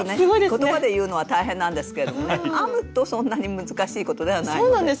言葉で言うのは大変なんですけどもね編むとそんなに難しいことではないので。